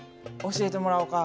教えてもらおか。